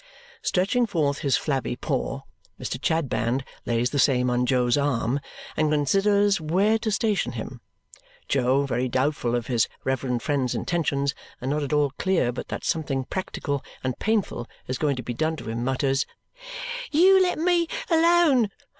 Stretching forth his flabby paw, Mr. Chadband lays the same on Jo's arm and considers where to station him. Jo, very doubtful of his reverend friend's intentions and not at all clear but that something practical and painful is going to be done to him, mutters, "You let me alone.